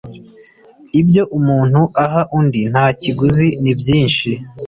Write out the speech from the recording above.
Ibyo umuntu aha undi nta kiguzi ni byinshi